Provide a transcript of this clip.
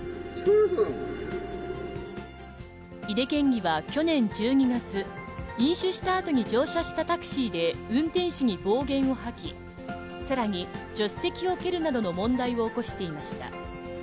井手県議は去年１２月、飲酒したあとに乗車したタクシーで運転手に暴言を吐き、さらに、助手席を蹴るなどの問題を起こしていました。